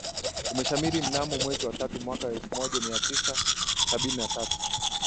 Umeshamiri mnamo mwezi wa tatu mwaka wa elfu moja mia tisa sabini na tatu